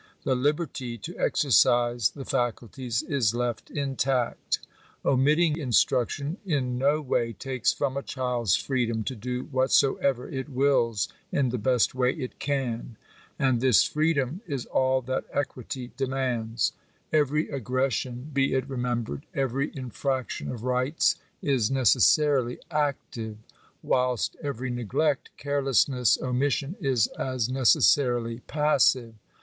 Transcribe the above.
The liberty to exercise the faculties is left intact. Omitting instruction in no way takes from a child's freedom to do whatsoever it wills in the Digitized by VjOOQIC NATIONAL EDUCATION. 331 best way it can ; and this freedom is all that equity demands. Every aggression, be it remembered — every infraction of rights,] is necessarily active; whilst every neglect, carelessness, omis l sion, is as necessarily passive.